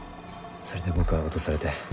それで僕は脅されて。